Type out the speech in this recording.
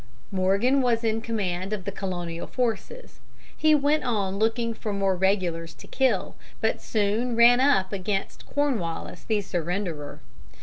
Morgan was in command of the Colonial forces. He went on looking for more regulars to kill, but soon ran up against Cornwallis the surrenderer.